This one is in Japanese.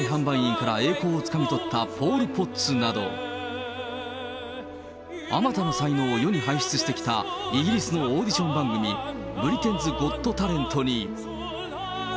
携帯販売員から栄光をつかみ取ったポール・ポッツなど、あまたの才能を世に輩出してきたイギリスのオーディション番組、ブリテンズ・ゴット・タレントに。